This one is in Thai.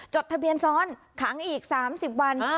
จดทะเบียนซ้อนขังอีก๓๐วัน